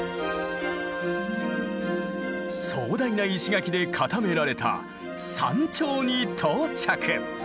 壮大な石垣で固められた山頂に到着。